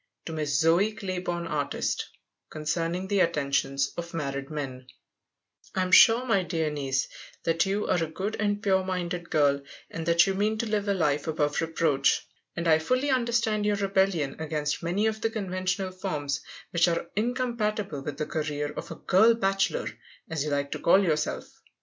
To Miss Zoe Clayborn Artist Concerning the Attentions of Married Men I am sure, my dear niece, that you are a good and pure minded girl, and that you mean to live a life above reproach, and I fully understand your rebellion against many of the conventional forms which are incompatible with the career of a "girl bachelor," as you like to call yourself.